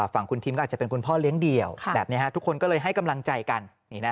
ฝั่งคุณทิมก็อาจจะเป็นคุณพ่อเลี้ยงเดี่ยวแบบนี้ทุกคนก็เลยให้กำลังใจกัน